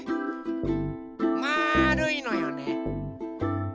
まるいのよね。